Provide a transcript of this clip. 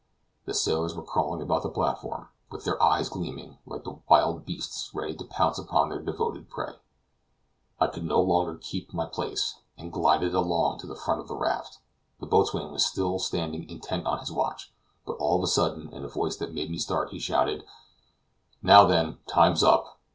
The sailors were crawling about the platform, with their eyes gleaming, like the wild beasts ready to pounce upon their devoted prey. I could no longer keep my place, and glided along to the front of the raft. The boatswain was still standing intent on his watch, but all of a sudden, in a voice that made me start, he shouted: "Now then, time's up!"